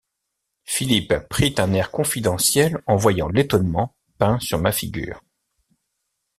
Philippe prit un air confidentiel en voyant l’étonnement peint sur ma figure.